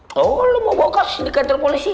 kalau lo mau bawa kasus ini ke kantor polisi